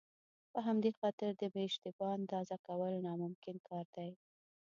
په همدې خاطر د بې اشتباه اندازه کول ناممکن کار دی.